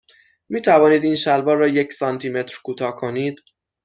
می توانید این شلوار را یک سانتی متر کوتاه کنید؟